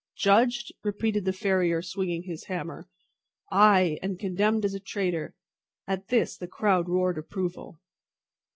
"Judged!" repeated the farrier, swinging his hammer. "Ay! and condemned as a traitor." At this the crowd roared approval.